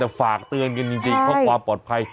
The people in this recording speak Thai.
แต่ฝากเตือนกันจริงเพราะความปลอดภัย